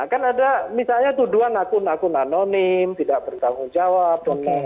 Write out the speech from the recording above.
kan ada misalnya tuduhan akun akun anonim tidak bertanggung jawab